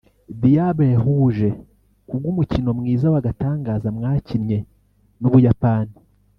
Diables rouges’ ku bw’umukino mwiza w’agatangaza mwakinnye n’Ubuyapani